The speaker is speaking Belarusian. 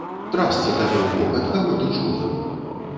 Трасца табе ў бок, ад каго ты чула?